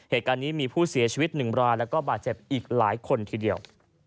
เหตุการณ์นี้มีผู้เสียชีวิต๑รายแล้วก็บาดเจ็บอีกหลายคนทีเดียว